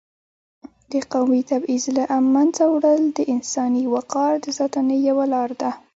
د قومي تبعیض له منځه وړل د انساني وقار د ساتنې یوه لار ده.